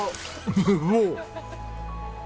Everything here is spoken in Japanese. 無謀！